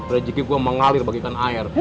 rezeki gue mengalir bagikan air